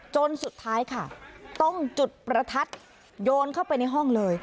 จนสุดท้ายค่ะต้องจุดประทัดโยนเข้าไปในห้องเลย